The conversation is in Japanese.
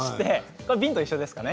これは瓶と一緒ですかね。